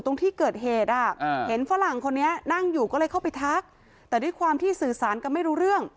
ตรงที่เกิดเหตุ